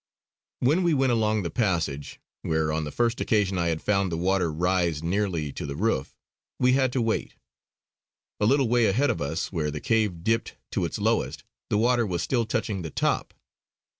When we went along the passage, where on the first occasion I had found the water rise nearly to the roof, we had to wait; a little way ahead of us, where the cave dipped to its lowest, the water was still touching the top.